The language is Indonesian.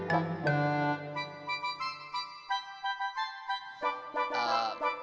lalu siapa yang menang